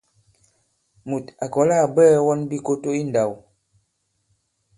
Mùt à kɔ̀la à bwɛɛ̄ wɔn bikoto i ndāw.